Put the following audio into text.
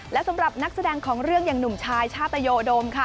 และสำหรับนักแสดงของเรื่องอย่างหนุ่มชายชาตยดมค่ะ